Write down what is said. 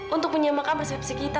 untuk menyimakan persepsi kita